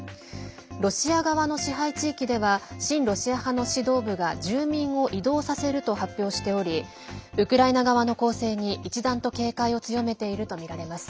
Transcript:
ロシア側の支配地域では親ロシア派の指導部が住民を移動させると発表しておりウクライナ側の攻勢に一段と警戒を強めているとみられます。